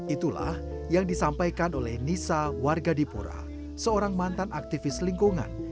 itulah yang disampaikan oleh nisa warga dipura seorang mantan aktivis lingkungan